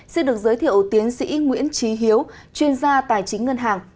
xin được giới thiệu tiến sĩ nguyễn trí hiếu chuyên gia tài chính ngân hàng